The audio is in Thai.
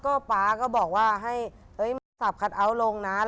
ก็ป๊าก็บอกว่าให้มาสับคัทเอาท์ลงนะ